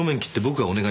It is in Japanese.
はい。